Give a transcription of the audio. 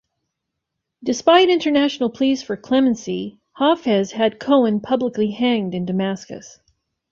Despite international pleas for clemency, Hafez had Cohen publicly hanged in Damascus.